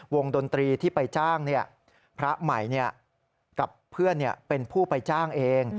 ดนตรีที่ไปจ้างพระใหม่กับเพื่อนเป็นผู้ไปจ้างเอง